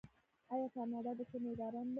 آیا کاناډا د کرنې اداره نلري؟